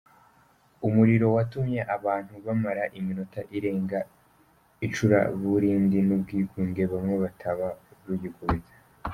Umuriro watumye abantu bamara iminota irenga mu icuraburindi n’ubwigunge, bamwe bataba rugikubita.